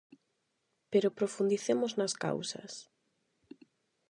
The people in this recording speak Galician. Pero profundicemos nas causas.